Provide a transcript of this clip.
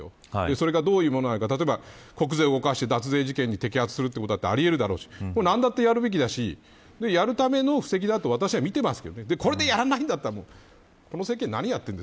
それがどういうものなのか国税を動かして脱税事件でやることもあり得るだろうしなんだってやるべきだしやるための布石だと私は見ています。